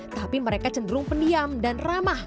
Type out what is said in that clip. tapi mereka cenderung pendiam dan ramah